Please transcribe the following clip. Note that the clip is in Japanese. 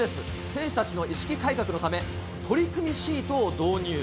選手たちの意識改革のため、取り組みシートを導入。